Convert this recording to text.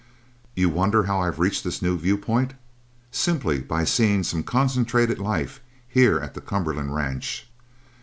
"You wonder how I've reached the new viewpoint? Simply by seeing some concentrated life here at the Cumberland ranch.